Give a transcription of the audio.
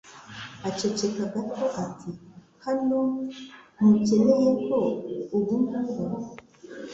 Aceceka gato ati: "Hano, ntukeneye ko ubungubu."